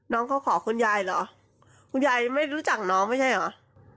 น้องเขาขอคุณยายเหรอคุณยายไม่รู้จักน้องไม่ใช่เหรอ